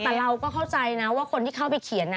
แต่เราก็เข้าใจนะว่าคนที่เข้าไปเขียน